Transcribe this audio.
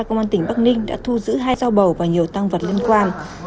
công an tỉnh bắc ninh đã thu giữ hai dao bầu và nhiều tăng vật liên quan